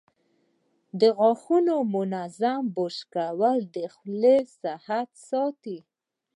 د غاښونو منظم برش کول د خولې صحت ساتي.